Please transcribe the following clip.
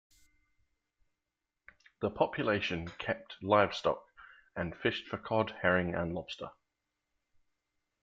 The population kept livestock and fished for cod, herring, and lobster.